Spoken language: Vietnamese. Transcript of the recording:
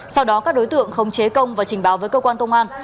sau đó các đối tượng không chế công và trình báo với cơ quan công an